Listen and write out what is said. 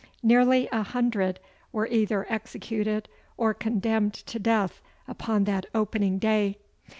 Nearly a hundred were either executed or condemned to death upon that opening day.